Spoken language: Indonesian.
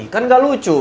kan gak lucu